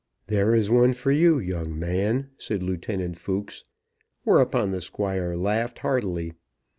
"There is one for you, young man," said Captain Fooks. Whereupon the Squire laughed heartily.